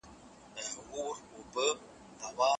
همدې لومړنۍ پيړۍ ته د غلامۍ پیړۍ هم وايي.